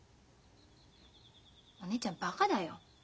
お姉ちゃんバカだよ。